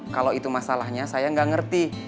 kalau itu masalahnya saya nggak ngerti